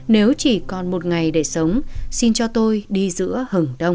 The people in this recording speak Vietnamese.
nếu chỉ còn một ngày để sống xin cho tôi đi giữa hừng đông